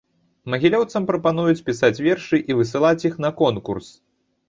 Магілёўцам прапануюць пісаць вершы і высылаць іх на конкурс.